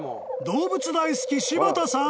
［動物大好き柴田さん